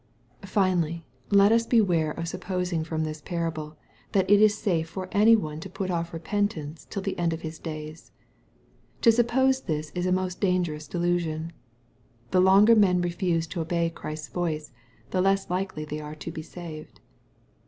Finally, let us beware of supposing from this parable, that it is safe for any one to put off repentance till the end of his days. To suppose this is a most dangerous delusion. The longer men refuse to obey Christ's voice, the less likely they are to be saved.